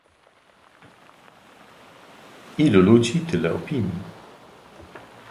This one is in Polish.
ilu ludzi, tyle opinii